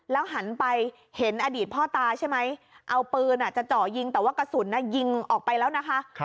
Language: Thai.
หันไปเห็นอดีตพ่อตาใช่ไหมเอาปืนจะเจาะยิงแต่ว่ากระสุนยิงออกไปแล้วนะคะ